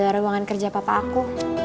ini ada ruangan kerja papa aku